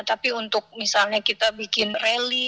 tapi untuk misalnya kita bikin rally